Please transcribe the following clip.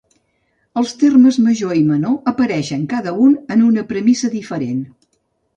Els termes major i menor apareixen, cada un, en una premissa diferent.